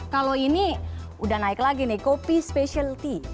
kalau ini udah naik lagi nih kopi specialty